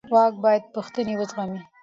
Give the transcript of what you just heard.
واک باید پوښتنې وزغمي